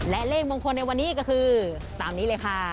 และเลขมงคลในวันนี้ก็คือตามนี้เลยค่ะ